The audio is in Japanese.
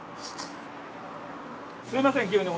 すみません急に。